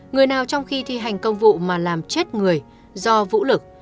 người nào trong khi thi hành công vụ mà làm chết người do vũ lực